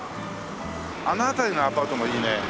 あの辺りのアパートもいいね。